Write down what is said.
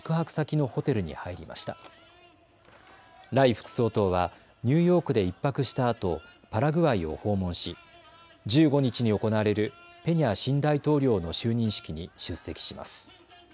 副総統はニューヨークで１泊したあとパラグアイを訪問し１５日に行われるペニャ新大統領の就任式に出席します。